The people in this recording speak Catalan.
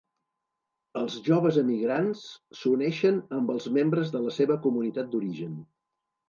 Els joves emigrants s'uneixen amb els membres de la seva comunitat d'origen.